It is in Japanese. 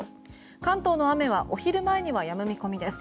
関東の雨はお昼前にはやむ見込みです。